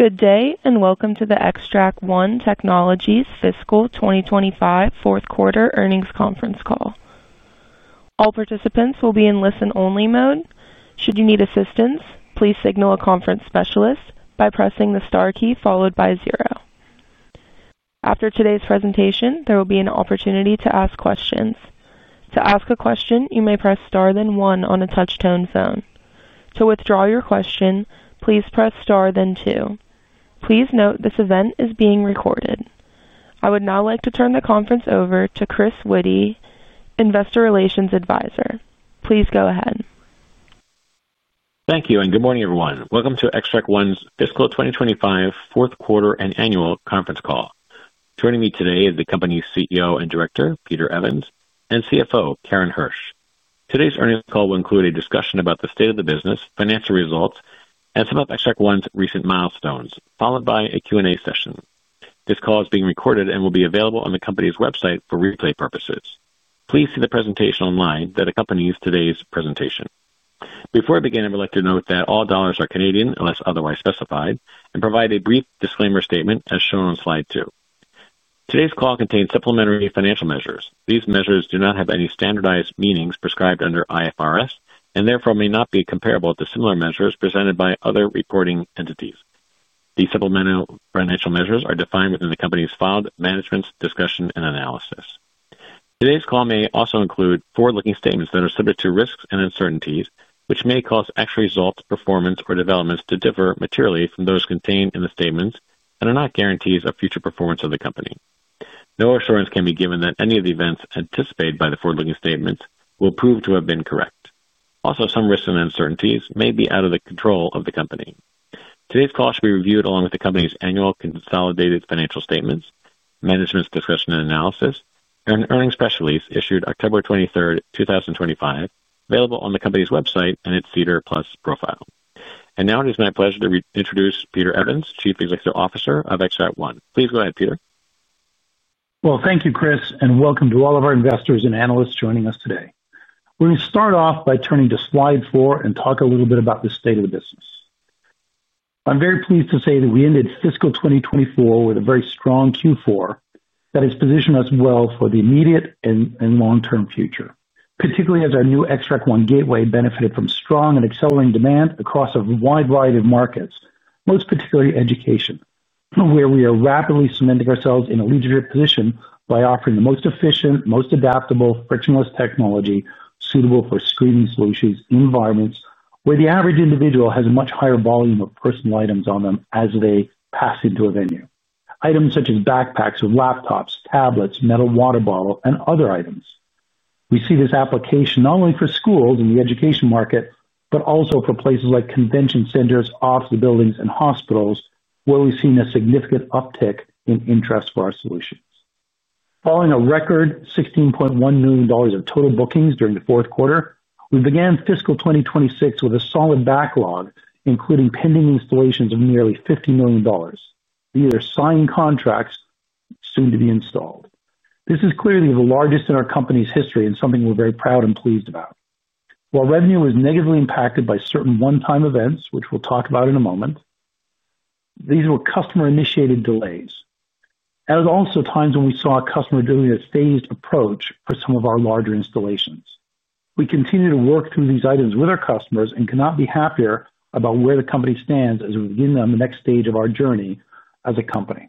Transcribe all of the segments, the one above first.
Good day and welcome to the Xtract One Technologies Fiscal 2025 Fourth Quarter Earnings Conference Call. All participants will be in listen-only mode. Should you need assistance, please signal a conference specialist by pressing the star key followed by zero. After today's presentation, there will be an opportunity to ask questions. To ask a question, you may press star then one on a touch-tone phone. To withdraw your question, please press star then two. Please note this event is being recorded. I would now like to turn the conference over to Chris Witty, Investor Relations Adviser. Please go ahead. Thank you, and good morning everyone. Welcome to Xtract One Technologies' Fiscal 2025 Fourth Quarter and Annual Conference Call. Joining me today is the company's CEO and Director, Peter Evans, and CFO, Karen Hersh. Today's earnings call will include a discussion about the state of the business, financial results, and some of Xtract One Technologies' recent milestones, followed by a Q&A session. This call is being recorded and will be available on the company's website for replay purposes. Please see the presentation online that accompanies today's presentation. Before I begin, I would like to note that all dollars are Canadian unless otherwise specified and provide a brief disclaimer statement as shown on slide two. Today's call contains supplementary financial measures. These measures do not have any standardized meanings prescribed under IFRS and therefore may not be comparable to similar measures presented by other reporting entities. The supplementary financial measures are defined within the company's filed management's discussion and analysis. Today's call may also include forward-looking statements that are subject to risks and uncertainties, which may cause actual results, performance, or developments to differ materially from those contained in the statements and are not guarantees of future performance of the company. No assurance can be given that any of the events anticipated by the forward-looking statements will prove to have been correct. Also, some risks and uncertainties may be out of the control of the company. Today's call should be reviewed along with the company's annual consolidated financial statements, management's discussion and analysis, and earnings specialties issued October 23, 2025, available on the company's website and its CEDR+ profile. Now it is my pleasure to introduce Peter Evans, Chief Executive Officer of Xtract One Technologies. Please go ahead, Peter. Thank you, Chris, and welcome to all of our investors and analysts joining us today. We're going to start off by turning to slide four and talk a little bit about the state of the business. I'm very pleased to say that we ended Fiscal 2024 with a very strong Q4 that has positioned us well for the immediate and long-term future, particularly as our new Xtract One Gateway benefited from strong and accelerating demand across a wide variety of markets, most particularly education, where we are rapidly cementing ourselves in a leadership position by offering the most efficient, most adaptable, frictionless technology suitable for screening solutions in environments where the average individual has a much higher volume of personal items on them as they pass into a venue. Items such as backpacks or laptops, tablets, metal water bottles, and other items. We see this application not only for schools and the education market, but also for places like convention centers, office buildings, and hospitals, where we've seen a significant uptick in interest for our solutions. Following a record $16.1 million of total bookings during the fourth quarter, we began Fiscal 2026 with a solid backlog, including pending installations of nearly $50 million. These are signed contracts soon to be installed. This is clearly the largest in our company's history and something we're very proud and pleased about. While revenue was negatively impacted by certain one-time events, which we'll talk about in a moment, these were customer-initiated delays. That was also times when we saw a customer doing a phased approach for some of our larger installations. We continue to work through these items with our customers and cannot be happier about where the company stands as we begin the next stage of our journey as a company.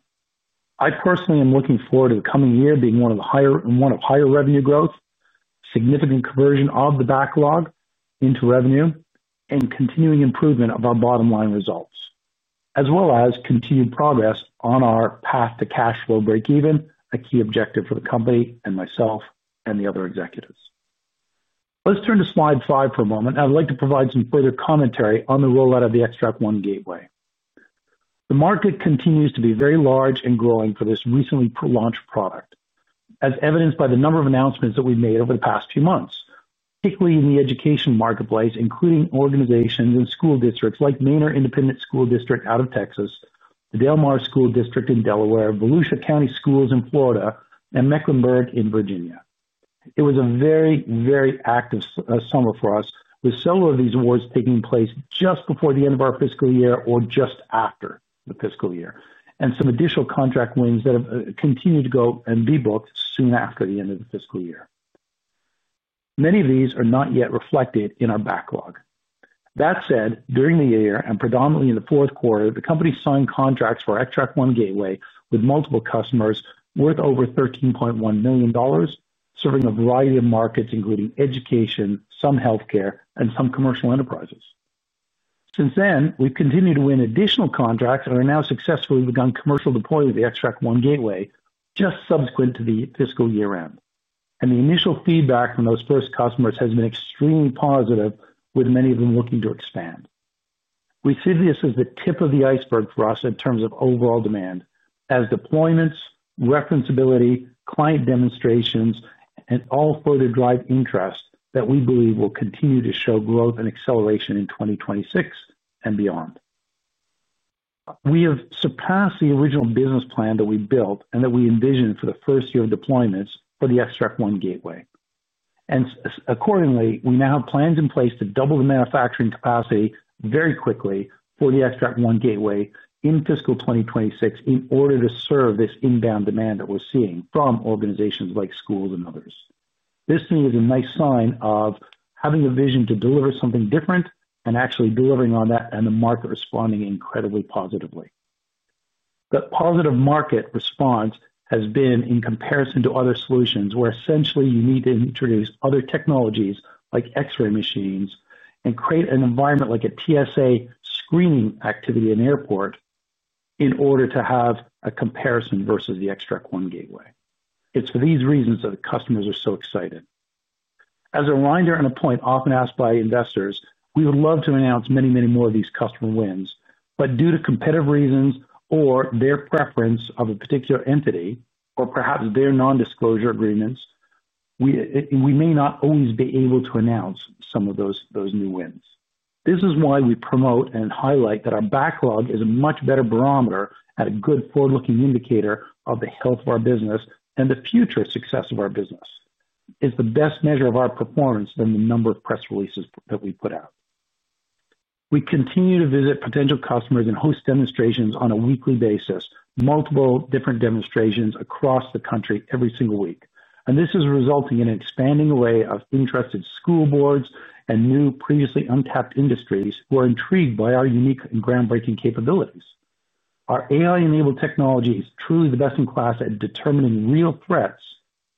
I personally am looking forward to the coming year being one of higher revenue growth, significant conversion of the backlog into revenue, and continuing improvement of our bottom-line results, as well as continued progress on our path to cash flow break-even, a key objective for the company and myself and the other executives. Let's turn to slide five for a moment, and I'd like to provide some further commentary on the rollout of the Xtract One Gateway. The market continues to be very large and growing for this recently launched product, as evidenced by the number of announcements that we've made over the past few months, particularly in the education marketplace, including organizations and school districts like Manor Independent School District out of Texas, the Delmar School District in Delaware, Volusia County Schools in Florida, and Mecklenburg in Virginia. It was a very, very active summer for us, with several of these awards taking place just before the end of our fiscal year or just after the fiscal year. Some additional contract wins have continued to go and be booked soon after the end of the fiscal year. Many of these are not yet reflected in our backlog. That said, during the year, and predominantly in the fourth quarter, the company signed contracts for Xtract One Gateway with multiple customers worth over $13.1 million, serving a variety of markets, including education, some healthcare, and some commercial enterprises. Since then, we've continued to win additional contracts and are now successfully begun commercial deployment of the Xtract One Gateway just subsequent to the fiscal year-end. The initial feedback from those first customers has been extremely positive, with many of them looking to expand. We see this as the tip of the iceberg for us in terms of overall demand, as deployments, referenceability, client demonstrations, and all further drive interest that we believe will continue to show growth and acceleration in 2026 and beyond. We have surpassed the original business plan that we built and that we envisioned for the first year of deployments for the Xtract One Gateway. Accordingly, we now have plans in place to double the manufacturing capacity very quickly for the Xtract One Gateway in Fiscal 2026 in order to serve this inbound demand that we're seeing from organizations like schools and others. This, to me, is a nice sign of having a vision to deliver something different and actually delivering on that and the market responding incredibly positively. That positive market response has been in comparison to other solutions, where essentially you need to introduce other technologies like X-ray machines and create an environment like a TSA screening activity in an airport in order to have a comparison versus the Xtract One Gateway. It is for these reasons that the customers are so excited. As a reminder and a point often asked by investors, we would love to announce many, many more of these customer wins, but due to competitive reasons or their preference of a particular entity, or perhaps their non-disclosure agreements, we may not always be able to announce some of those new wins. This is why we promote and highlight that our backlog is a much better barometer and a good forward-looking indicator of the health of our business and the future success of our business. It's the best measure of our performance than the number of press releases that we put out. We continue to visit potential customers and host demonstrations on a weekly basis, multiple different demonstrations across the country every single week. This is resulting in an expanding array of interested school boards and new, previously untapped industries who are intrigued by our unique and groundbreaking capabilities. Our AI-enabled technology is truly the best in class at determining real threats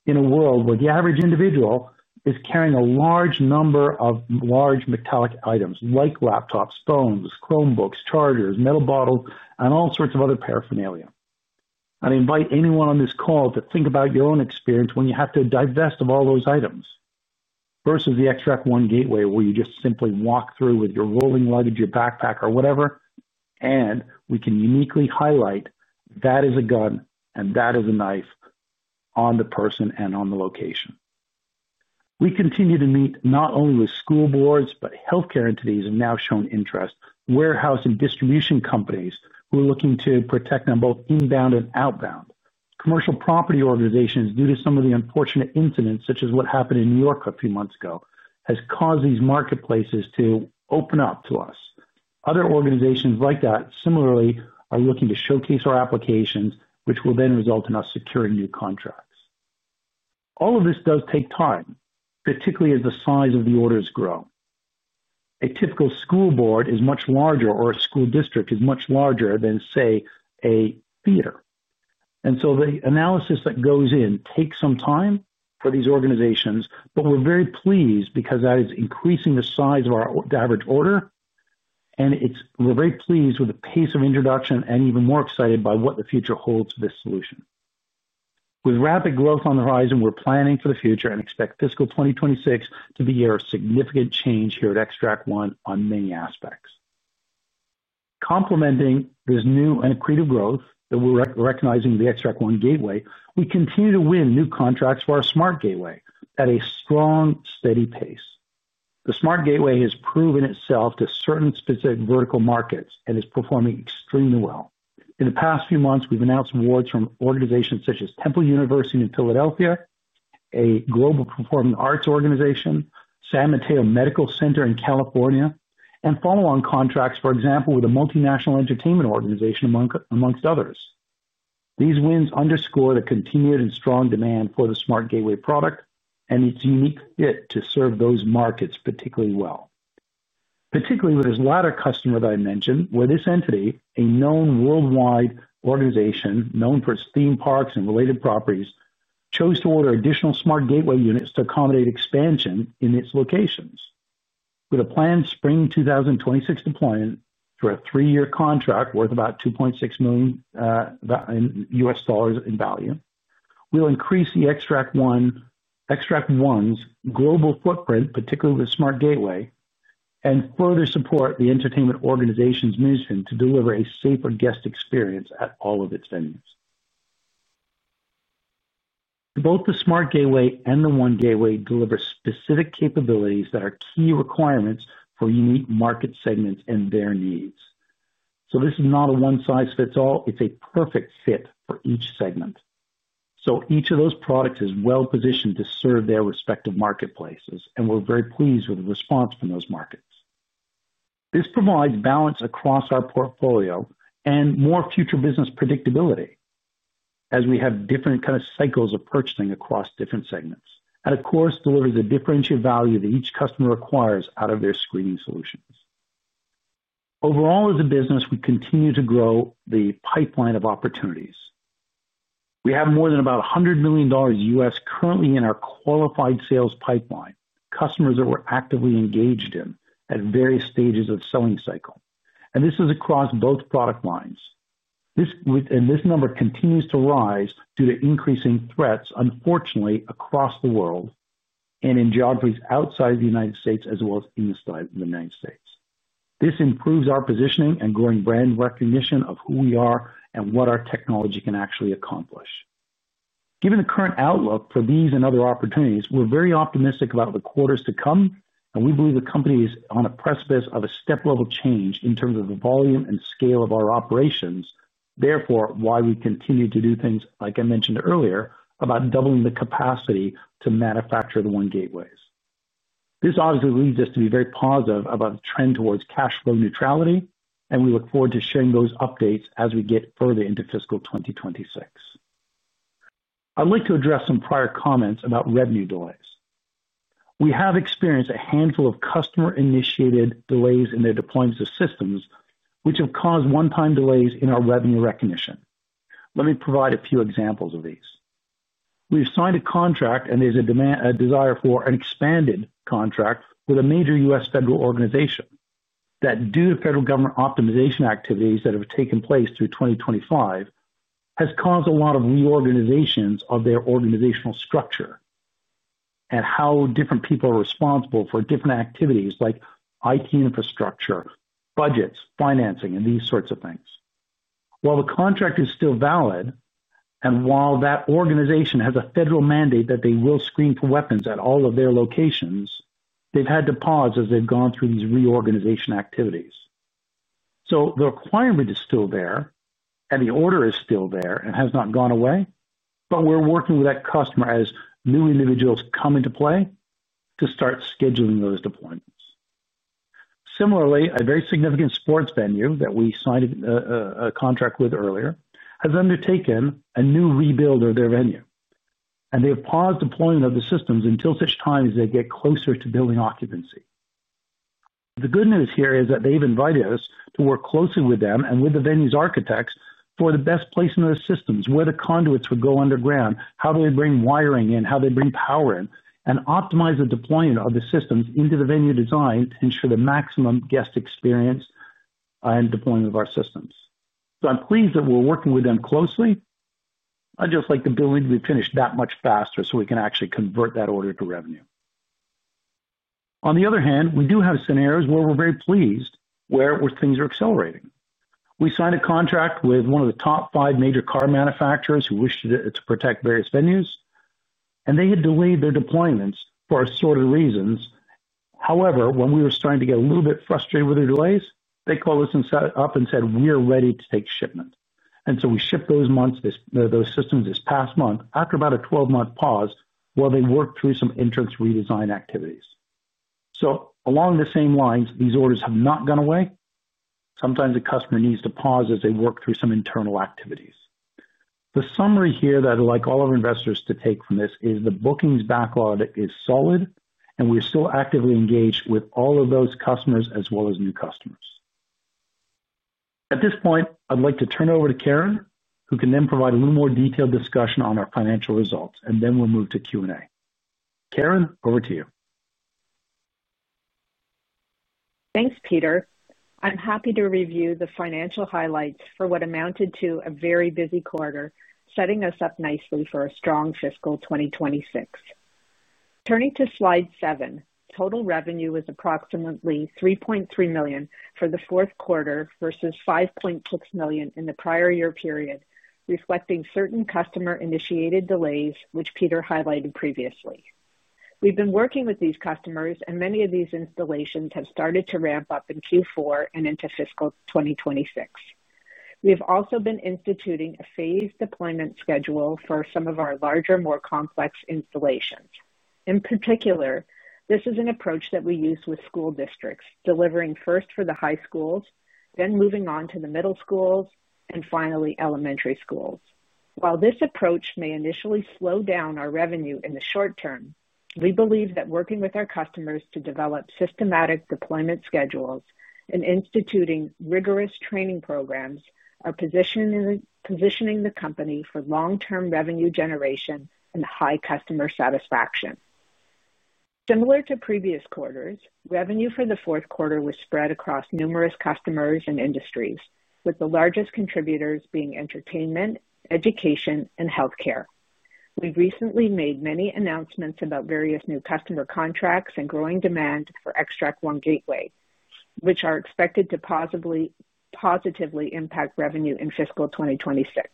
in a world where the average individual is carrying a large number of large metallic items like laptops, phones, Chromebooks, chargers, metal bottles, and all sorts of other paraphernalia. I invite anyone on this call to think about your own experience when you have to divest of all those items versus the Xtract One Gateway, where you just simply walk through with your rolling luggage, your backpack, or whatever, and we can uniquely highlight that is a gun and that is a knife on the person and on the location. We continue to meet not only with school boards, but healthcare entities have now shown interest, warehouse and distribution companies who are looking to protect them both inbound and outbound. Commercial property organizations, due to some of the unfortunate incidents such as what happened in New York a few months ago, have caused these marketplaces to open up to us. Other organizations like that similarly are looking to showcase our applications, which will then result in us securing new contracts. All of this does take time, particularly as the size of the orders grow. A typical school board is much larger, or a school district is much larger than, say, a theater. The analysis that goes in takes some time for these organizations, but we're very pleased because that is increasing the size of our average order. We're very pleased with the pace of introduction and even more excited by what the future holds for this solution. With rapid growth on the horizon, we're planning for the future and expect Fiscal 2026 to be a year of significant change here at Xtract One Technologies on many aspects. Complementing this new and creative growth that we're recognizing with the Xtract One Gateway, we continue to win new contracts for our SmartGateway at a strong, steady pace. The SmartGateway has proven itself to certain specific vertical markets and is performing extremely well. In the past few months, we've announced awards from organizations such as Temple University in Philadelphia, a global performing arts organization, San Mateo Medical Center in California, and follow-on contracts, for example, with a multinational entertainment organization amongst others. These wins underscore the continued and strong demand for the SmartGateway product and its unique fit to serve those markets particularly well. Particularly with this latter customer that I mentioned, where this entity, a known worldwide organization known for its theme parks and related properties, chose to order additional SmartGateway units to accommodate expansion in its locations. With a planned spring 2026 deployment through a three-year contract worth about $2.6 million in U.S. dollars in value, we'll increase Xtract One Technologies' global footprint, particularly with the SmartGateway, and further support the entertainment organization's mission to deliver a safer guest experience at all of its venues. Both the SmartGateway and the Xtract One Gateway deliver specific capabilities that are key requirements for unique market segments and their needs. This is not a one-size-fits-all; it's a perfect fit for each segment. Each of those products is well positioned to serve their respective marketplaces, and we're very pleased with the response from those markets. This provides balance across our portfolio and more future business predictability as we have different kinds of cycles of purchasing across different segments. It delivers a differentiated value that each customer requires out of their screening solutions. Overall, as a business, we continue to grow the pipeline of opportunities. We have more than about $100 million U.S. currently in our qualified sales pipeline, customers that we're actively engaged in at various stages of the selling cycle. This is across both product lines. This number continues to rise due to increasing threats, unfortunately, across the world and in geographies outside of the United States, as well as inside of the United States. This improves our positioning and growing brand recognition of who we are and what our technology can actually accomplish. Given the current outlook for these and other opportunities, we're very optimistic about the quarters to come, and we believe the company is on a precipice of a step-level change in terms of the volume and scale of our operations. Therefore, we continue to do things, like I mentioned earlier, about doubling the capacity to manufacture the SmartGateway. This obviously leads us to be very positive about the trend towards cash flow neutrality, and we look forward to sharing those updates as we get further into Fiscal 2026. I'd like to address some prior comments about revenue delays. We have experienced a handful of customer-initiated delays in their deployments of systems, which have caused one-time delays in our revenue recognition. Let me provide a few examples of these. We've signed a contract, and there's a desire for an expanded contract with a major U.S. federal organization that, due to federal government optimization activities that have taken place through 2025, has caused a lot of reorganizations of their organizational structure and how different people are responsible for different activities like IT infrastructure, budgets, financing, and these sorts of things. While the contract is still valid and while that organization has a federal mandate that they will screen for weapons at all of their locations, they've had to pause as they've gone through these reorganization activities. The requirement is still there, and the order is still there and has not gone away, but we're working with that customer as new individuals come into play to start scheduling those deployments. Similarly, a very significant sports venue that we signed a contract with earlier has undertaken a new rebuild of their venue, and they have paused deployment of the systems until such time as they get closer to building occupancy. The good news here is that they've invited us to work closely with them and with the venue's architects for the best placement of the systems, where the conduits would go underground, how they bring wiring in, how they bring power in, and optimize the deployment of the systems into the venue design to ensure the maximum guest experience and deployment of our systems. I'm pleased that we're working with them closely. I'd just like the ability to be finished that much faster so we can actually convert that order to revenue. On the other hand, we do have scenarios where we're very pleased, where things are accelerating. We signed a contract with one of the top five major car manufacturers who wishes to protect various venues, and they had delayed their deployments for assorted reasons. However, when we were starting to get a little bit frustrated with their delays, they called us up and said, "We are ready to take shipment." We shipped those systems this past month after about a 12-month pause while they worked through some entrance redesign activities. Along the same lines, these orders have not gone away. Sometimes a customer needs to pause as they work through some internal activities. The summary here that I'd like all of our investors to take from this is the bookings backlog is solid, and we are still actively engaged with all of those customers as well as new customers. At this point, I'd like to turn it over to Karen, who can then provide a little more detailed discussion on our financial results, and then we'll move to Q&A. Karen, over to you. Thanks, Peter. I'm happy to review the financial highlights for what amounted to a very busy quarter, setting us up nicely for a strong Fiscal 2026. Turning to slide seven, total revenue was approximately $3.3 million for the fourth quarter versus $5.6 million in the prior year period, reflecting certain customer-initiated delays, which Peter highlighted previously. We've been working with these customers, and many of these installations have started to ramp up in Q4 and into Fiscal 2026. We have also been instituting a phased deployment schedule for some of our larger, more complex installations. In particular, this is an approach that we use with school districts, delivering first for the high schools, then moving on to the middle schools, and finally elementary schools. While this approach may initially slow down our revenue in the short term, we believe that working with our customers to develop systematic deployment schedules and instituting rigorous training programs are positioning the company for long-term revenue generation and high customer satisfaction. Similar to previous quarters, revenue for the fourth quarter was spread across numerous customers and industries, with the largest contributors being entertainment, education, and healthcare. We've recently made many announcements about various new customer contracts and growing demand for Xtract One Gateway, which are expected to positively impact revenue in Fiscal 2026.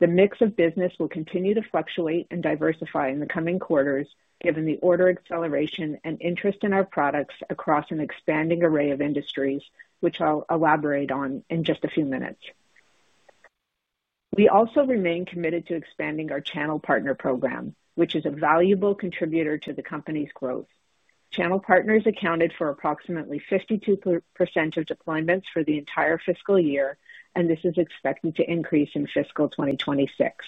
The mix of business will continue to fluctuate and diversify in the coming quarters, given the order acceleration and interest in our products across an expanding array of industries, which I'll elaborate on in just a few minutes. We also remain committed to expanding our channel partner program, which is a valuable contributor to the company's growth. Channel partners accounted for approximately 52% of deployments for the entire fiscal year, and this is expected to increase in Fiscal 2026.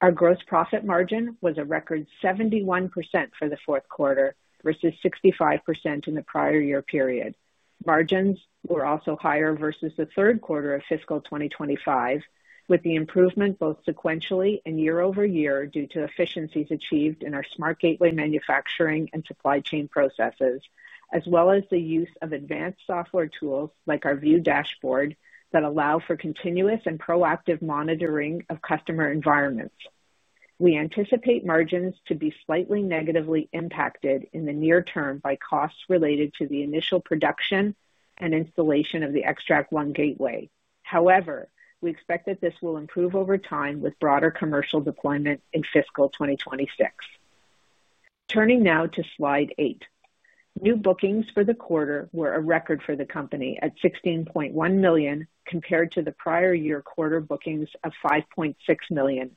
Our gross profit margin was a record 71% for the fourth quarter versus 65% in the prior year period. Margins were also higher versus the third quarter of Fiscal 2025, with the improvement both sequentially and year over year due to efficiencies achieved in our SmartGateway manufacturing and supply chain processes, as well as the use of advanced software tools like our View Dashboard that allow for continuous and proactive monitoring of customer environments. We anticipate margins to be slightly negatively impacted in the near term by costs related to the initial production and installation of the Xtract One Gateway. However, we expect that this will improve over time with broader commercial deployment in Fiscal 2026. Turning now to slide eight, new bookings for the quarter were a record for the company at $16.1 million compared to the prior year quarter bookings of $5.6 million,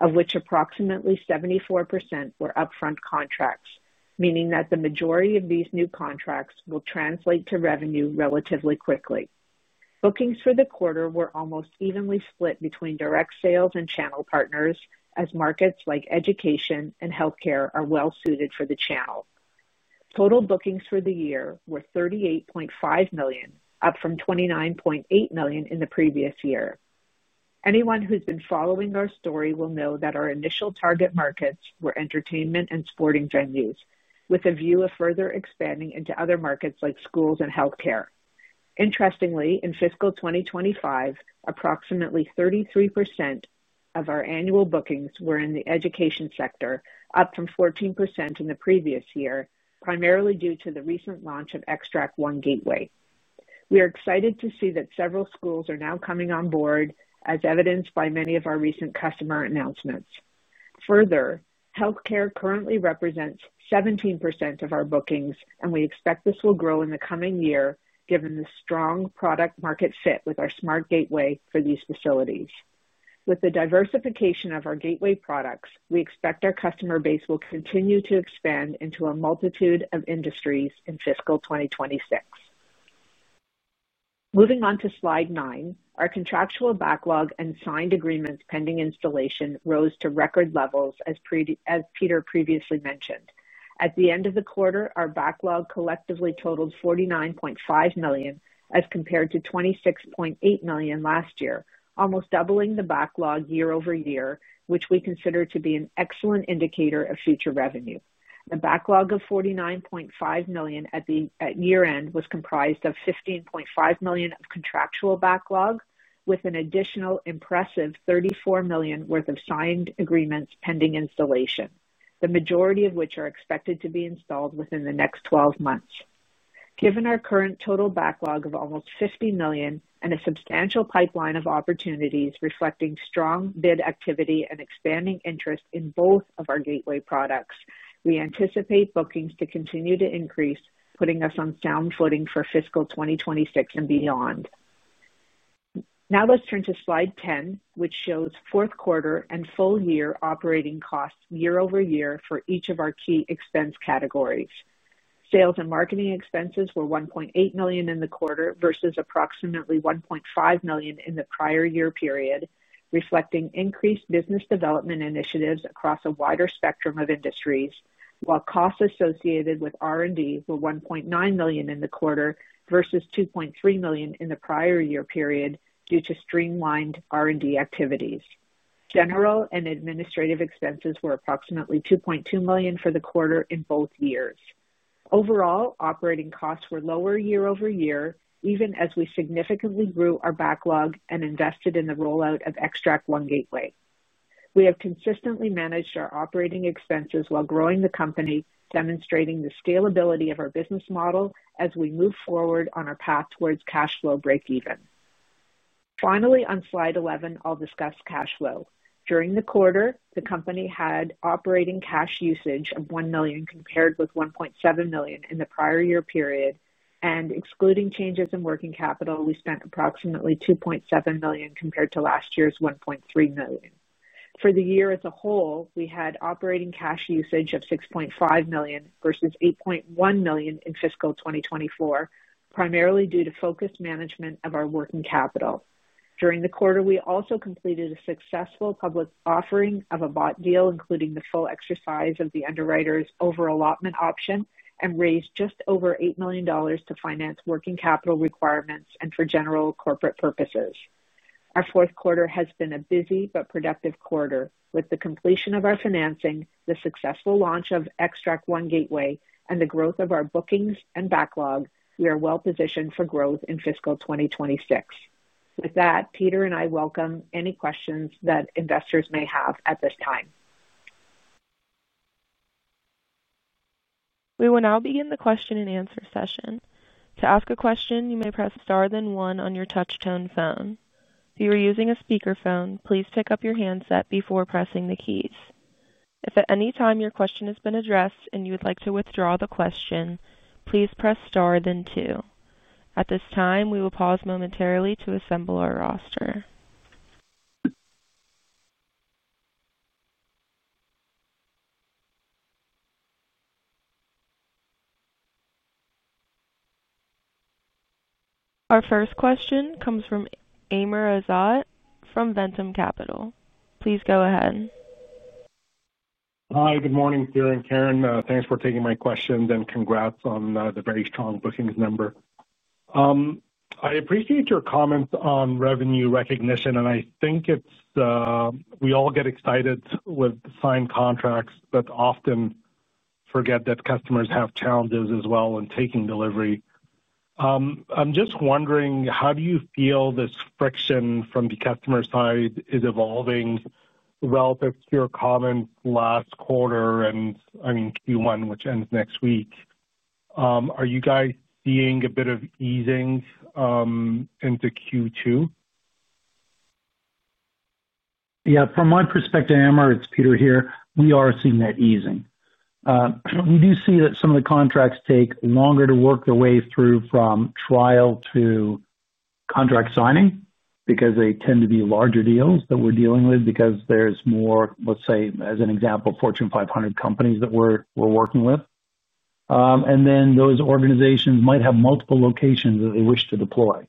of which approximately 74% were upfront contracts, meaning that the majority of these new contracts will translate to revenue relatively quickly. Bookings for the quarter were almost evenly split between direct sales and channel partners, as markets like education and healthcare are well suited for the channel. Total bookings for the year were $38.5 million, up from $29.8 million in the previous year. Anyone who's been following our story will know that our initial target markets were entertainment and sporting venues, with a view of further expanding into other markets like schools and healthcare. Interestingly, in Fiscal 2025, approximately 33% of our annual bookings were in the education sector, up from 14% in the previous year, primarily due to the recent launch of Xtract One Gateway. We are excited to see that several schools are now coming on board, as evidenced by many of our recent customer announcements. Further, healthcare currently represents 17% of our bookings, and we expect this will grow in the coming year, given the strong product-market fit with our SmartGateway for these facilities. With the diversification of our gateway products, we expect our customer base will continue to expand into a multitude of industries in Fiscal 2026. Moving on to slide nine, our contractual backlog and signed agreements pending installation rose to record levels, as Peter previously mentioned. At the end of the quarter, our backlog collectively totaled $49.5 million as compared to $26.8 million last year, almost doubling the backlog year over year, which we consider to be an excellent indicator of future revenue. The backlog of $49.5 million at year-end was comprised of $15.5 million of contractual backlog, with an additional impressive $34 million worth of signed agreements pending installation, the majority of which are expected to be installed within the next 12 months. Given our current total backlog of almost $50 million and a substantial pipeline of opportunities reflecting strong bid activity and expanding interest in both of our gateway products, we anticipate bookings to continue to increase, putting us on sound footing for Fiscal 2026 and beyond. Now let's turn to slide 10, which shows fourth quarter and full-year operating costs year over year for each of our key expense categories. Sales and marketing expenses were $1.8 million in the quarter versus approximately $1.5 million in the prior year period, reflecting increased business development initiatives across a wider spectrum of industries, while costs associated with R&D were $1.9 million in the quarter versus $2.3 million in the prior year period due to streamlined R&D activities. General and administrative expenses were approximately $2.2 million for the quarter in both years. Overall, operating costs were lower year over year, even as we significantly grew our backlog and invested in the rollout of Xtract One Gateway. We have consistently managed our operating expenses while growing the company, demonstrating the scalability of our business model as we move forward on our path towards cash flow break-even. Finally, on slide 11, I'll discuss cash flow. During the quarter, the company had operating cash usage of $1 million compared with $1.7 million in the prior year period, and excluding changes in working capital, we spent approximately $2.7 million compared to last year's $1.3 million. For the year as a whole, we had operating cash usage of $6.5 million versus $8.1 million in Fiscal 2024, primarily due to focused management of our working capital. During the quarter, we also completed a successful public offering of a bought deal, including the full exercise of the underwriter's overall allotment option, and raised just over $8 million to finance working capital requirements and for general corporate purposes. Our fourth quarter has been a busy but productive quarter. With the completion of our financing, the successful launch of Xtract One Gateway, and the growth of our bookings and backlog, we are well positioned for growth in Fiscal 2026. With that, Peter and I welcome any questions that investors may have at this time. We will now begin the question and answer session. To ask a question, you may press star then one on your touch-tone phone. If you are using a speaker phone, please pick up your handset before pressing the keys. If at any time your question has been addressed and you would like to withdraw the question, please press star then two. At this time, we will pause momentarily to assemble our roster. Our first question comes from Amar Azad from Ventum Capital. Please go ahead. Hi, good morning, Peter and Karen. Thanks for taking my questions and congrats on the very strong bookings number. I appreciate your comments on revenue recognition, and I think we all get excited with signed contracts, but often forget that customers have challenges as well in taking delivery. I'm just wondering, how do you feel this friction from the customer side is evolving relative to your comments last quarter and, I mean, Q1, which ends next week? Are you guys seeing a bit of easing into Q2? Yeah, from my perspective, Amar, it's Peter here. We are seeing that easing. We do see that some of the contracts take longer to work their way through from trial to contract signing because they tend to be larger deals that we're dealing with because there's more, let's say, as an example, Fortune 500 companies that we're working with. Those organizations might have multiple locations that they wish to deploy,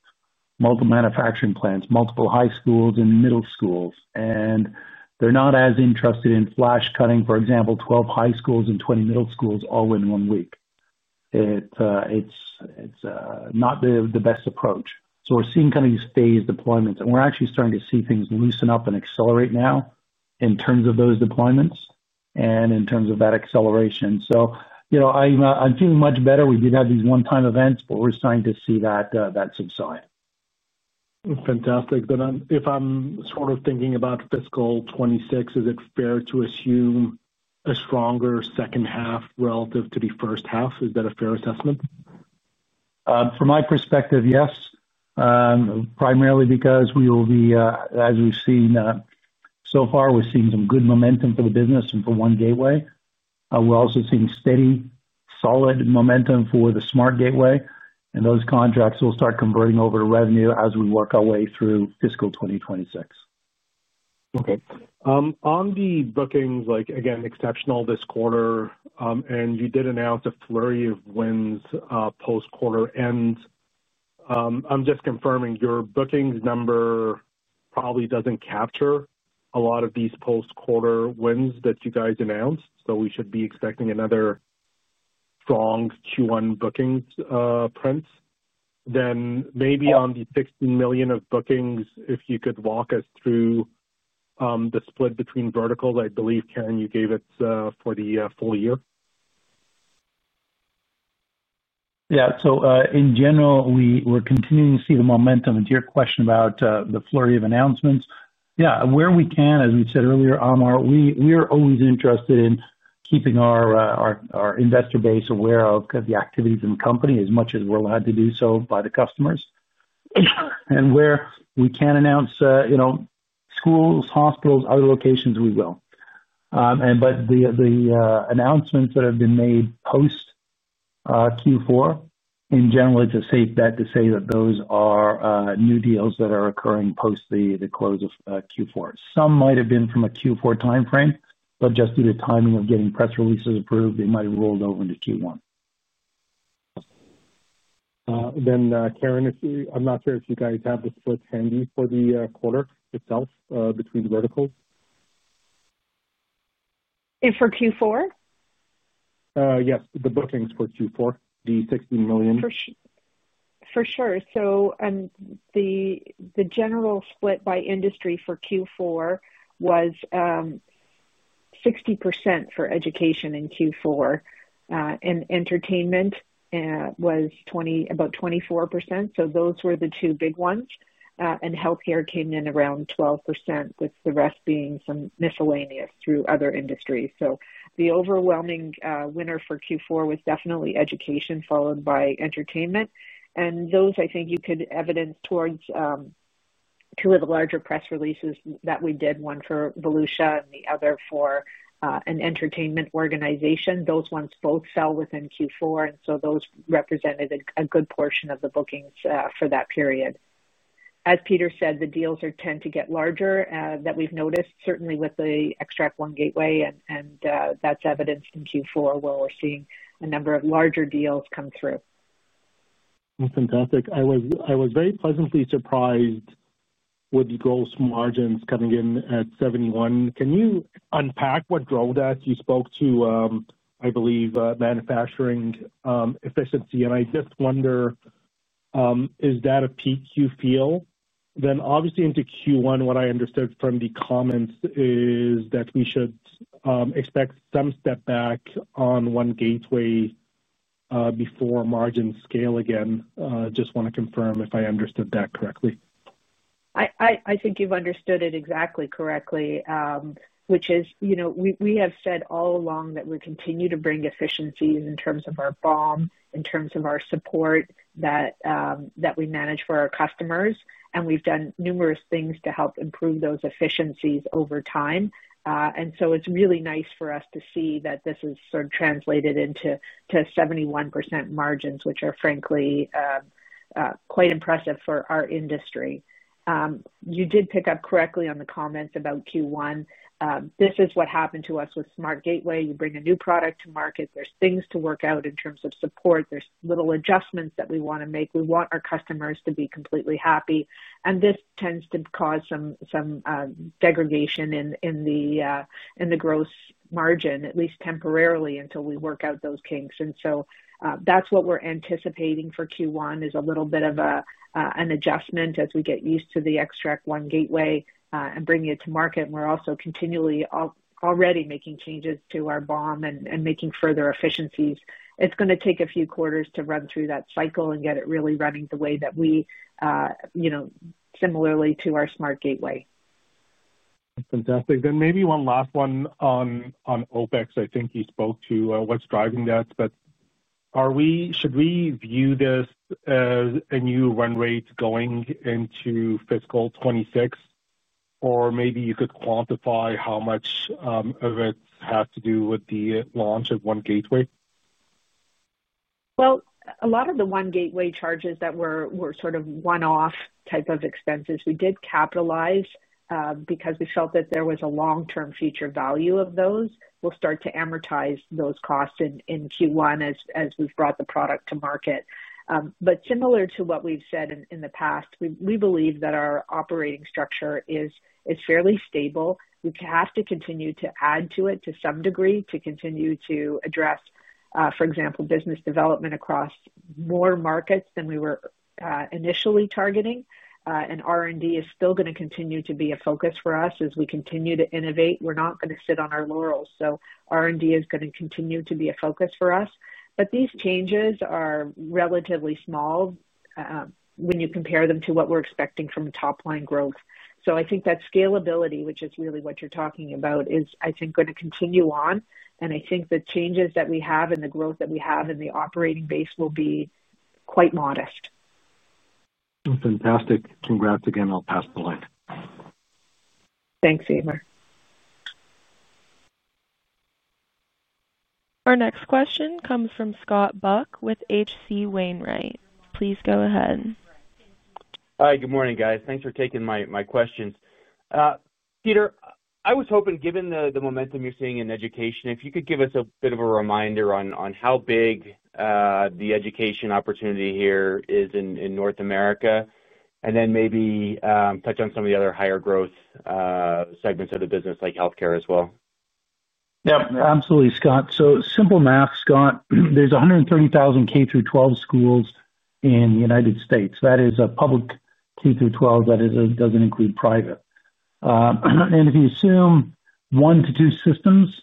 multiple manufacturing plants, multiple high schools and middle schools, and they're not as interested in flash cutting, for example, 12 high schools and 20 middle schools all in one week. It's not the best approach. We're seeing kind of these phased deployments, and we're actually starting to see things loosen up and accelerate now in terms of those deployments and in terms of that acceleration. You know I'm feeling much better. We did have these one-time events, but we're starting to see that subside. Fantastic. If I'm sort of thinking about Fiscal 2026, is it fair to assume a stronger second half relative to the first half? Is that a fair assessment? From my perspective, yes, primarily because we will be, as we've seen so far, we're seeing some good momentum for the business and for Xtract One Gateway. We're also seeing steady, solid momentum for the SmartGateway, and those contracts will start converting over to revenue as we work our way through Fiscal 2026. Okay. On the bookings, like again, exceptional this quarter, you did announce a flurry of wins post-quarter. I'm just confirming, your bookings number probably doesn't capture a lot of these post-quarter wins that you guys announced. We should be expecting another strong Q1 bookings prints. Maybe on the $16 million of bookings, if you could walk us through the split between verticals, I believe, Karen, you gave it for the full year. Yeah. In general, we're continuing to see the momentum. To your question about the flurry of announcements, where we can, as we said earlier, Amar, we are always interested in keeping our investor base aware of the activities in the company as much as we're allowed to do so by the customers. Where we can announce, you know, schools, hospitals, other locations, we will. The announcements that have been made post-Q4, in general, it's a safe bet to say that those are new deals that are occurring post the close of Q4. Some might have been from a Q4 timeframe, but just due to timing of getting press releases approved, they might have rolled over into Q1. Then Karen, I'm not sure if you guys have the splits handy for the quarter itself between verticals. For Q4? Yes, the bookings for Q4, the $16 million. For sure. The general split by industry for Q4 was 60% for education in Q4, and entertainment was about 24%. Those were the two big ones. Healthcare came in around 12%, with the rest being some miscellaneous through other industries. The overwhelming winner for Q4 was definitely education, followed by entertainment. You could evidence that towards two of the larger press releases that we did, one for Volusia and the other for an entertainment organization. Those both fell within Q4, and those represented a good portion of the bookings for that period. As Peter said, the deals tend to get larger, that we've noticed, certainly with the Xtract One Gateway, and that's evidenced in Q4 where we're seeing a number of larger deals come through. Fantastic. I was very pleasantly surprised with the gross margins coming in at 71%. Can you unpack what drove that? You spoke to, I believe, manufacturing efficiency. I just wonder, is that a peak you feel? Obviously, into Q1, what I understood from the comments is that we should expect some step back on Xtract One Gateway before margins scale again. I just want to confirm if I understood that correctly. I think you've understood it exactly correctly, which is, you know, we have said all along that we continue to bring efficiencies in terms of our BOM, in terms of our support that we manage for our customers. We've done numerous things to help improve those efficiencies over time, and it's really nice for us to see that this has sort of translated into 71% margins, which are, frankly, quite impressive for our industry. You did pick up correctly on the comments about Q1. This is what happened to us with SmartGateway. You bring a new product to market, there's things to work out in terms of support, there's little adjustments that we want to make, we want our customers to be completely happy, and this tends to cause some degradation in the gross margin, at least temporarily, until we work out those kinks. That's what we're anticipating for Q1, is a little bit of an adjustment as we get used to the Xtract One Gateway and bring it to market. We're also continually already making changes to our BOM and making further efficiencies. It's going to take a few quarters to run through that cycle and get it really running the way that we, you know, similarly to our SmartGateway. Fantastic. Maybe one last one on OpEx. I think you spoke to what's driving that. Are we, should we view this as a new run rate going into Fiscal 2026, or maybe you could quantify how much of it has to do with the launch of Xtract One Gateway? Well, a lot of the Xtract One Gateway charges that were sort of one-off type of expenses, we did capitalize because we felt that there was a long-term future value of those. We'll start to amortize those costs in Q1 as we've brought the product to market. Similar to what we've said in the past, we believe that our operating structure is fairly stable. We have to continue to add to it to some degree to continue to address, for example, business development across more markets than we were initially targeting. R&D is still going to continue to be a focus for us as we continue to innovate. We're not going to sit on our laurels. R&D is going to continue to be a focus for us. These changes are relatively small when you compare them to what we're expecting from top-line growth. I think that scalability, which is really what you're talking about, is, I think, going to continue on. I think the changes that we have and the growth that we have in the operating base will be quite modest. Fantastic. Congrats again. I'll pass the line. Thanks, Amar. Our next question comes from Scott Buck with HC Wainwright. Please go ahead. Hi, good morning, guys. Thanks for taking my questions. Peter, I was hoping, given the momentum you're seeing in education, if you could give us a bit of a reminder on how big the education opportunity here is in North America and then maybe touch on some of the other higher growth segments of the business like healthcare as well. Yeah, absolutely, Scott. Simple math, Scott, there's 130,000 K-12 schools in the United States. That is public K-12. That doesn't include private. If you assume one to two systems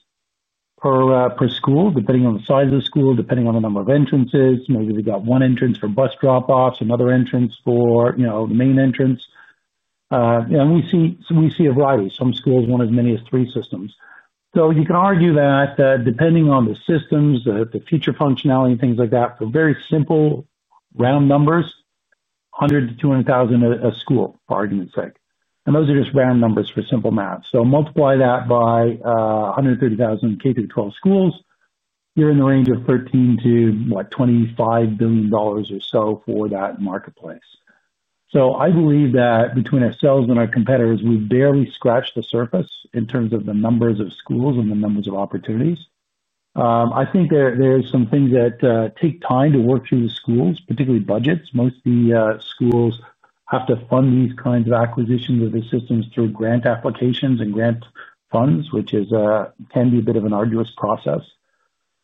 per school, depending on the size of the school, depending on the number of entrances, maybe we got one entrance for bus drop-offs, another entrance for the main entrance. We see a variety. Some schools want as many as three systems. You can argue that depending on the systems, the feature functionality and things like that, for very simple round numbers, $100,000 to $200,000 a school for argument's sake. Those are just round numbers for simple math. Multiply that by 130,000 K-12 schools, you're in the range of $13 billion to, what, $25 billion or so for that marketplace. I believe that between ourselves and our competitors, we've barely scratched the surface in terms of the numbers of schools and the numbers of opportunities. I think there are some things that take time to work through the schools, particularly budgets. Most of the schools have to fund these kinds of acquisitions of the systems through grant applications and grant funds, which can be a bit of an arduous process.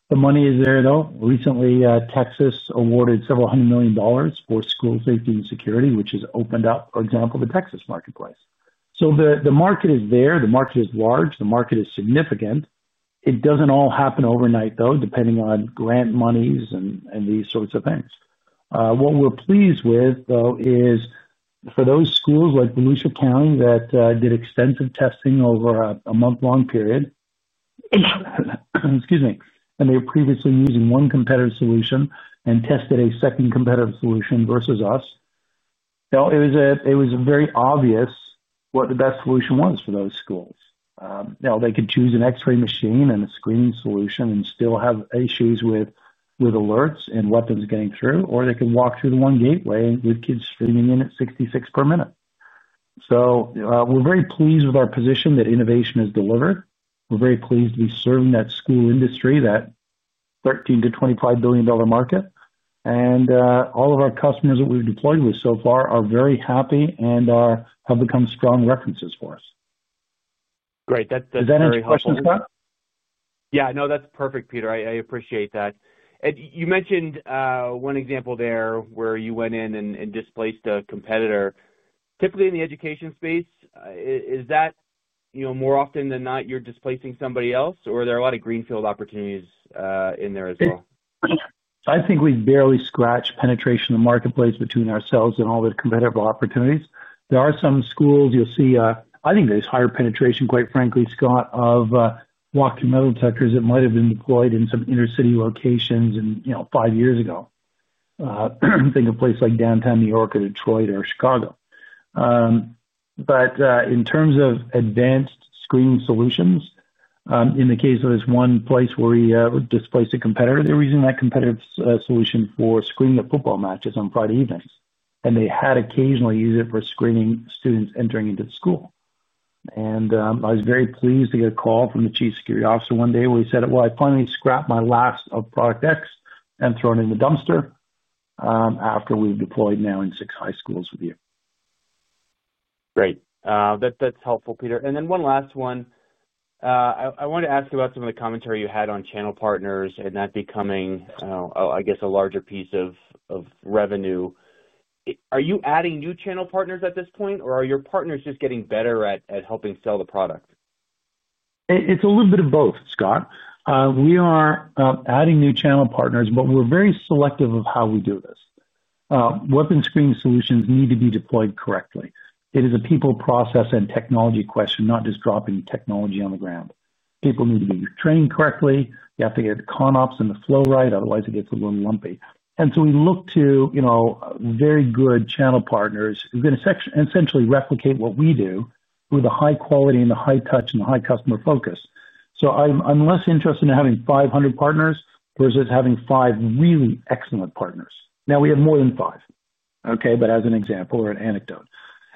The money is there, though. Recently, Texas awarded several hundred million dollars for school safety and security, which has opened up, for example, the Texas marketplace. The market is there. The market is large. The market is significant. It doesn't all happen overnight, though, depending on grant monies and these sorts of things. What we're pleased with is for those schools like Volusia County that did extensive testing over a month-long period, and they were previously using one competitor solution and tested a second competitor solution versus us. It was very obvious what the best solution was for those schools. They could choose an X-ray machine and a screening solution and still have issues with alerts and what was getting through, or they could walk through the Xtract One Gateway with kids streaming in at 66 per minute. We're very pleased with our position that innovation is delivered. We're very pleased to be serving that school industry, that $13 billion-$25 billion market. All of our customers that we've deployed with so far are very happy and have become strong references for us. Great. Is that an answer to your question, Scott? Yeah, no, that's perfect, Peter. I appreciate that. You mentioned one example there where you went in and displaced a competitor. Typically, in the education space, is that more often than not you're displacing somebody else, or are there a lot of greenfield opportunities in there as well? I think we've barely scratched penetration in the marketplace between ourselves and all the competitive opportunities. There are some schools you'll see, I think there's higher penetration, quite frankly, Scott, of walkie-metal detectors that might have been deployed in some inner-city locations, you know, five years ago. Think of a place like downtown New York or Detroit or Chicago. In terms of advanced screening solutions, in the case of this one place where we displaced a competitor, they were using that competitive solution for screening the football matches on Friday evenings. They had occasionally used it for screening students entering into the school. I was very pleased to get a call from the Chief Security Officer one day where he said, "I finally scrapped my last of product X and thrown it in the dumpster after we've deployed now in six high schools with you. Great. That's helpful, Peter. One last one. I wanted to ask about some of the commentary you had on channel partners and that becoming, I guess, a larger piece of revenue. Are you adding new channel partners at this point, or are your partners just getting better at helping sell the product? It's a little bit of both, Scott. We are adding new channel partners, but we're very selective of how we do this. Weapons detection systems need to be deployed correctly. It is a people, process, and technology question, not just dropping technology on the ground. People need to be trained correctly. You have to get the con-ops and the flow right. Otherwise, it gets a little lumpy. We look to very good channel partners who can essentially replicate what we do with the high quality and the high touch and the high customer focus. I'm less interested in having 500 partners versus having five really excellent partners. Now, we have more than five, but as an example or an anecdote.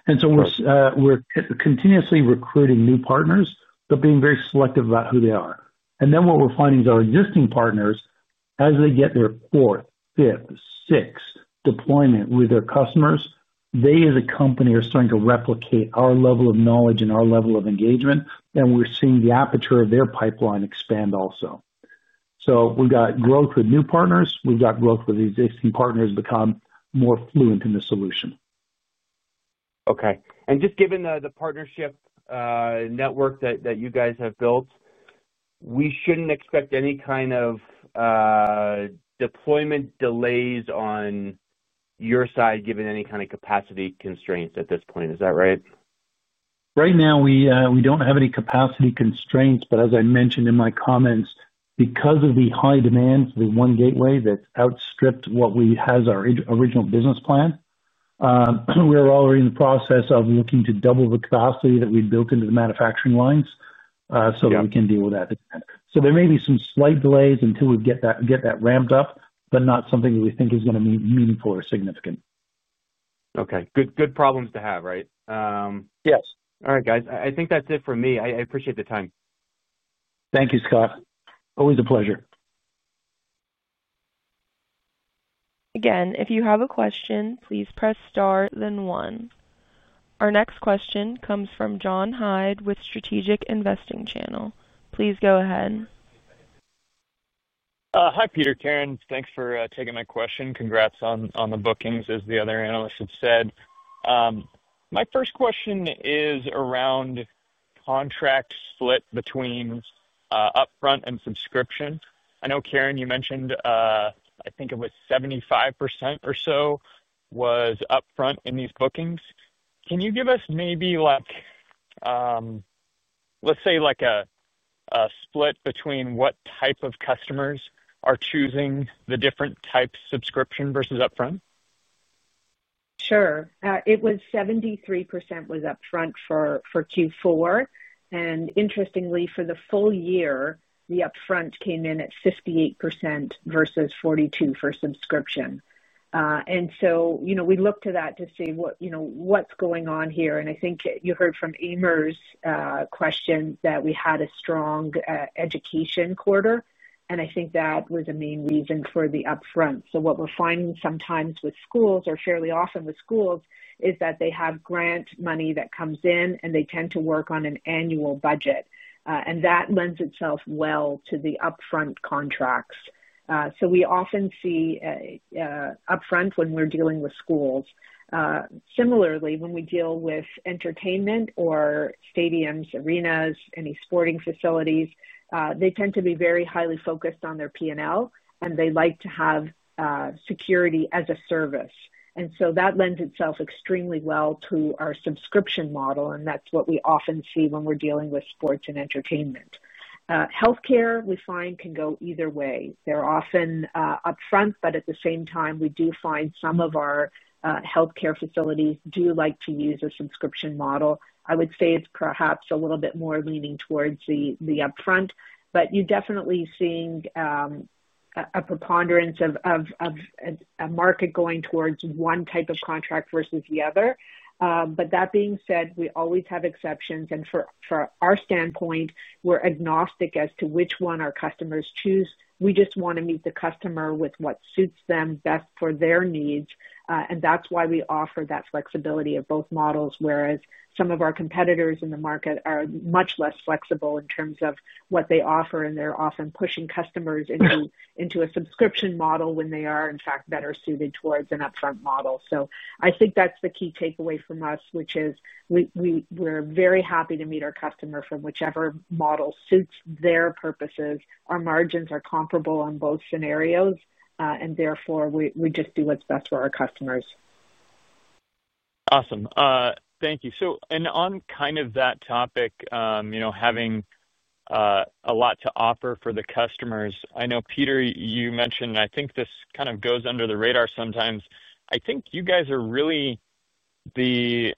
We're continuously recruiting new partners, but being very selective about who they are. What we're finding is our existing partners, as they get their fourth, fifth, sixth deployment with their customers, they, as a company, are starting to replicate our level of knowledge and our level of engagement. We're seeing the aperture of their pipeline expand also. We've got growth with new partners. We've got growth with existing partners become more fluent in the solution. Okay. Just given the partnership network that you guys have built, we shouldn't expect any kind of deployment delays on your side, given any kind of capacity constraints at this point. Is that right? Right now, we don't have any capacity constraints. As I mentioned in my comments, because of the high demand for the Xtract One Gateway that's outstripped what was our original business plan, we're already in the process of looking to double the capacity that we built into the manufacturing lines so that we can deal with that. There may be some slight delays until we get that ramped up, but not something that we think is going to be meaningful or significant. Okay. Good problems to have, right? Yes. All right, guys. I think that's it for me. I appreciate the time. Thank you, Scott. Always a pleasure. Again, if you have a question, please press star then one. Our next question comes from John Hyde with Strategic Investing Channel. Please go ahead. Hi, Peter. Karen, thanks for taking my question. Congrats on the bookings, as the other analysts have said. My first question is around the contract split between upfront and subscription. I know, Karen, you mentioned, I think it was 75% or so was upfront in these bookings. Can you give us maybe, let's say, like a split between what type of customers are choosing the different types of subscription versus upfront? Sure. It was 73% was upfront for Q4. Interestingly, for the full year, the upfront came in at 58% versus 42% for subscription. We look to that to see what's going on here. I think you heard from Amar's question that we had a strong education quarter. I think that was a main reason for the upfront. What we're finding sometimes with schools or fairly often with schools is that they have grant money that comes in, and they tend to work on an annual budget. That lends itself well to the upfront contracts. We often see upfront when we're dealing with schools. Similarly, when we deal with entertainment or stadiums, arenas, any sporting facilities, they tend to be very highly focused on their P&L, and they like to have security as a service. That lends itself extremely well to our subscription model. That's what we often see when we're dealing with sports and entertainment. Healthcare, we find, can go either way. They're often upfront, but at the same time, we do find some of our healthcare facilities do like to use a subscription model. I would say it's perhaps a little bit more leaning towards the upfront. You're definitely seeing a preponderance of a market going towards one type of contract versus the other. That being said, we always have exceptions. From our standpoint, we're agnostic as to which one our customers choose. We just want to meet the customer with what suits them best for their needs. That's why we offer that flexibility of both models, whereas some of our competitors in the market are much less flexible in terms of what they offer. They're often pushing customers into a subscription model when they are, in fact, better suited towards an upfront model. I think that's the key takeaway from us, which is we're very happy to meet our customer from whichever model suits their purposes. Our margins are comparable in both scenarios, and therefore, we just do what's best for our customers. Awesome. Thank you. On kind of that topic, having a lot to offer for the customers, I know, Peter, you mentioned, and I think this kind of goes under the radar sometimes. I think you guys are really the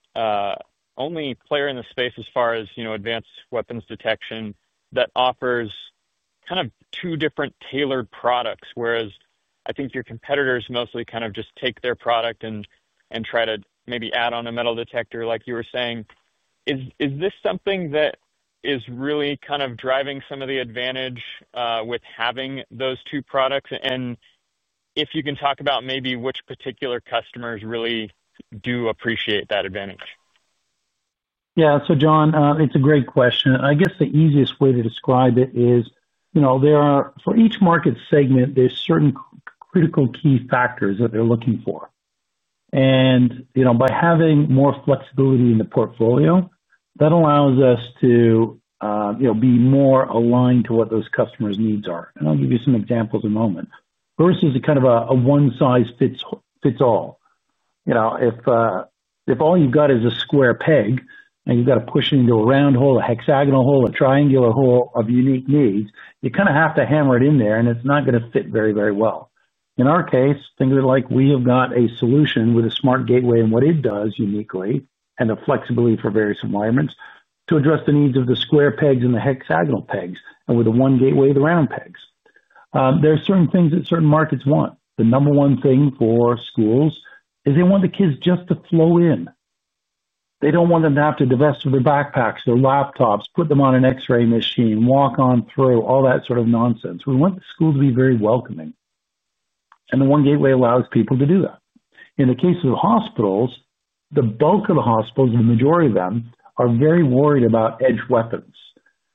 only player in the space as far as advanced weapons detection that offers kind of two different tailored products, whereas I think your competitors mostly just take their product and try to maybe add on a metal detector, like you were saying. Is this something that is really driving some of the advantage with having those two products? If you can talk about maybe which particular customers really do appreciate that advantage. Yeah. John, it's a great question. I guess the easiest way to describe it is, you know, for each market segment, there are certain critical key factors that they're looking for. By having more flexibility in the portfolio, that allows us to be more aligned to what those customers' needs are. I'll give you some examples in a moment. First is a kind of a one-size-fits-all. If all you've got is a square peg and you've got to push it into a round hole, a hexagonal hole, a triangular hole of unique needs, you kind of have to hammer it in there, and it's not going to fit very, very well. In our case, think of it like we have got a solution with a SmartGateway and what it does uniquely and the flexibility for various environments to address the needs of the square pegs and the hexagonal pegs and with the Xtract One Gateway, the round pegs. There are certain things that certain markets want. The number one thing for schools is they want the kids just to flow in. They don't want them to have to divest from their backpacks, their laptops, put them on an X-ray machine, walk on through, all that sort of nonsense. We want the school to be very welcoming. The Xtract One Gateway allows people to do that. In the case of hospitals, the bulk of the hospitals, the majority of them, are very worried about edge weapons.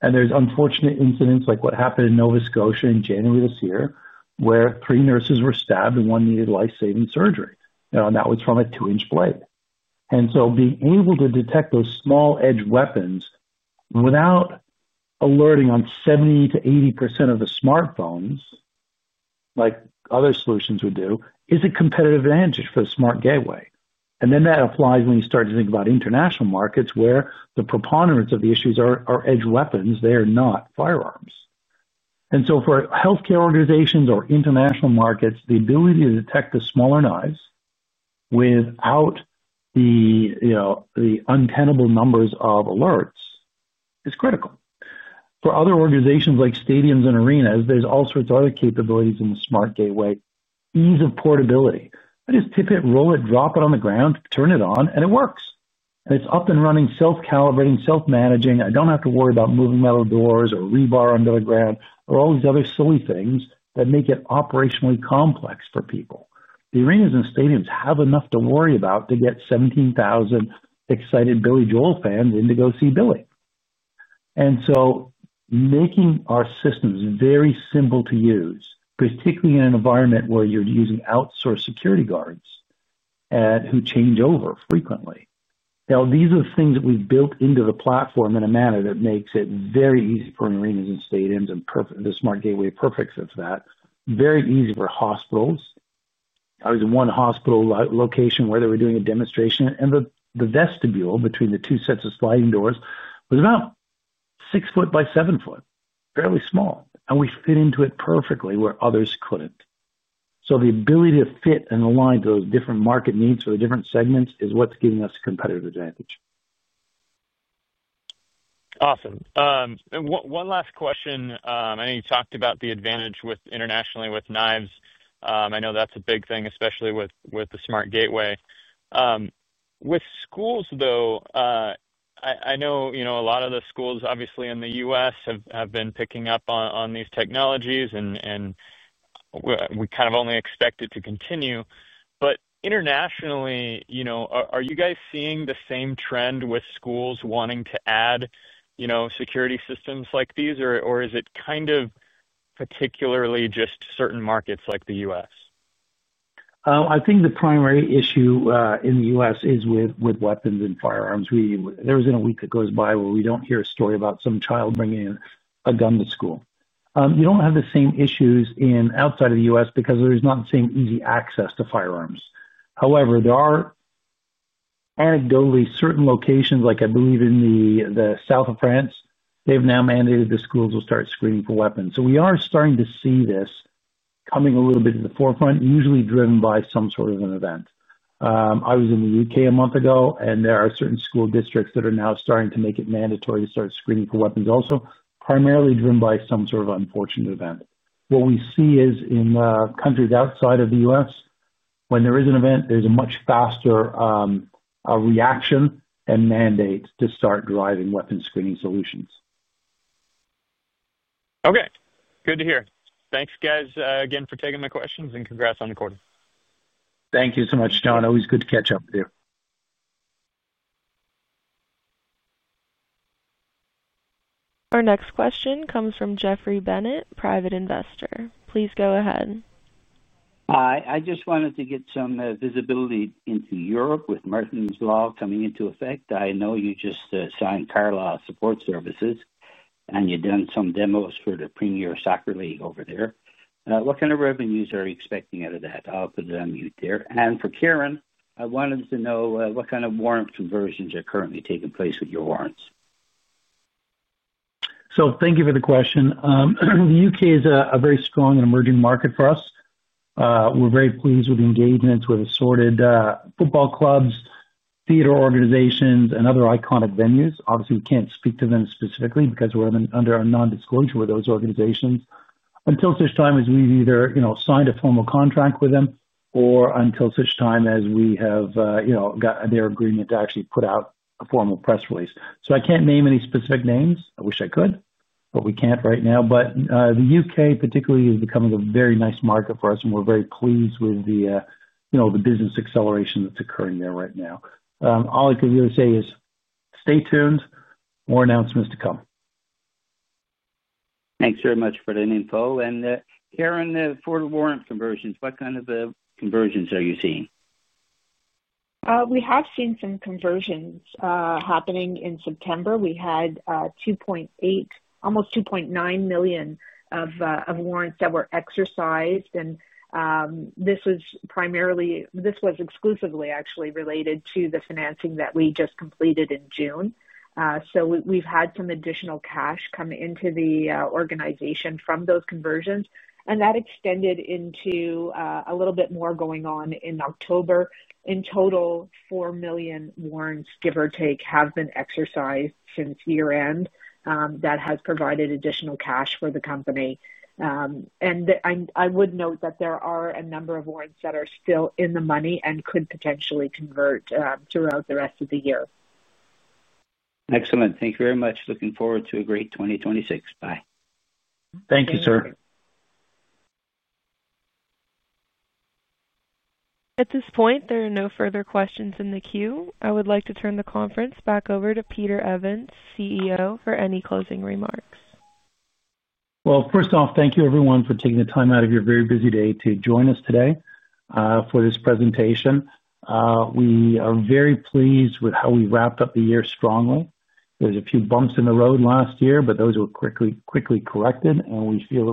There are unfortunate incidents like what happened in Nova Scotia in January 2023, where three nurses were stabbed and one needed life-saving surgery. That was from a two-inch blade. Being able to detect those small edge weapons without alerting on 70%-80% of the smartphones, like other solutions would do, is a competitive advantage for the SmartGateway. That applies when you start to think about international markets where the preponderance of the issues are edge weapons. They are not firearms. And so for healthcare organizations or international markets, the ability to detect the smaller knives without the untenable numbers of alerts is critical. For other organizations like stadiums and arenas, there are all sorts of other capabilities in the SmartGateway. Ease of portability. I just tip it, roll it, drop it on the ground, turn it on, and it works. It's up and running, self-calibrating, self-managing. I don't have to worry about moving metal doors or rebar under the ground or all these other silly things that make it operationally complex for people. The arenas and stadiums have enough to worry about to get 17,000 excited Billy Joel fans in to go see Billy. And so making our systems very simple to use, particularly in an environment where you're using outsourced security guards who change over frequently, are things that we've built into the platform in a manner that makes it very easy for arenas and stadiums, and the SmartGateway perfects it for that. Very easy for hospitals. I was in one hospital location where they were doing a demonstration, and the vestibule between the two sets of sliding doors was about six foot by seven foot, fairly small. We fit into it perfectly where others couldn't. The ability to fit and align to those different market needs for the different segments is what's giving us a competitive advantage. Awesome. One last question. I know you talked about the advantage internationally with knives. I know that's a big thing, especially with the SmartGateway. With schools, though, I know a lot of the schools, obviously, in the U.S. have been picking up on these technologies, and we kind of only expect it to continue. Internationally, you know, are you guys seeing the same trend with schools wanting to add, you know, security solutions like these, or is it kind of particularly just certain markets like the U.S.? I think the primary issue in the U.S. is with weapons and firearms. There isn't a week that goes by where we don't hear a story about some child bringing in a gun to school. You don't have the same issues outside of the U.S. because there's not the same easy access to firearms. However, there are anecdotally certain locations, like I believe in the south of France, they've now mandated the schools will start screening for weapons. We are starting to see this coming a little bit to the forefront, usually driven by some sort of an event. I was in the UK a month ago, and there are certain school districts that are now starting to make it mandatory to start screening for weapons, also, primarily driven by some sort of unfortunate event. What we see is in countries outside of the U.S., when there is an event, there's a much faster reaction and mandate to start driving weapons screening solutions. Okay. Good to hear. Thanks, guys, again for taking my questions, and congrats on the quarter. Thank you so much, John. Always good to catch up with you. Our next question comes from Jeffrey Bennett, private investor. Please go ahead. Hi. I just wanted to get some visibility into Europe with Martin’s Law coming into effect. I know you just signed Carlisle Support Services, and you’ve done some demos for the Premier Soccer League over there. What kind of revenues are you expecting out of that? I’ll put it on mute there. For Karen, I wanted to know what kind of warrant conversions are currently taking place with your warrants? Thank you for the question. The UK is a very strong and emerging market for us. We're very pleased with engagements with assorted football clubs, theater organizations, and other iconic venues. Obviously, we can't speak to them specifically because we're under a nondisclosure with those organizations until such time as we've either signed a formal contract with them or until such time as we have got their agreement to actually put out a formal press release. I can't name any specific names. I wish I could, but we can't right now. The UK particularly is becoming a very nice market for us, and we're very pleased with the business acceleration that's occurring there right now. All I could really say is stay tuned. More announcements to come. you very much for that info. Karen, for the warrant conversions, what kind of conversions are you seeing? We have seen some conversions happening in September. We had $2.8 million, almost $2.9 million of warrants that were exercised. This was exclusively actually related to the financing that we just completed in June. We've had some additional cash come into the organization from those conversions. That extended into a little bit more going on in October. In total, $4 million warrants, give or take, have been exercised since year-end. That has provided additional cash for the company. I would note that there are a number of warrants that are still in the money and could potentially convert throughout the rest of the year. Excellent. Thank you very much. Looking forward to a great 2026. Bye. Thank you, sir. At this point, there are no further questions in the queue. I would like to turn the conference back over to Peter Evans, CEO, for any closing remarks. Thank you, everyone, for taking the time out of your very busy day to join us today for this presentation. We are very pleased with how we wrapped up the year strongly. There were a few bumps in the road last year, but those were quickly corrected, and we feel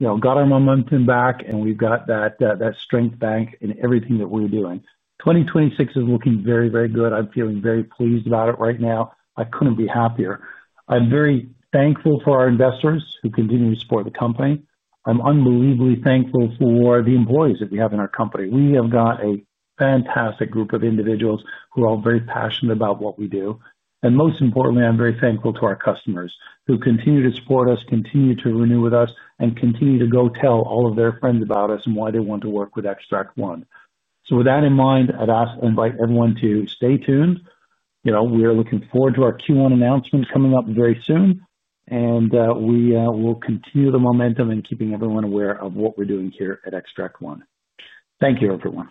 that we've got our momentum back, and we've got that strength back in everything that we're doing. 2026 is looking very, very good. I'm feeling very pleased about it right now. I couldn't be happier. I'm very thankful for our investors who continue to support the company. I'm unbelievably thankful for the employees that we have in our company. We have got a fantastic group of individuals who are all very passionate about what we do. Most importantly, I'm very thankful to our customers who continue to support us, continue to renew with us, and continue to go tell all of their friends about us and why they want to work with Xtract One. With that in mind, I'd ask and invite everyone to stay tuned. You know, we're looking forward to our Q1 announcement coming up very soon, and we will continue the momentum and keeping everyone aware of what we're doing here at Xtract One. Thank you, everyone.